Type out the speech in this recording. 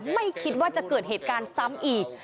ไม่คิดว่าจะเกิดเหตุการณ์ซ้ำอีก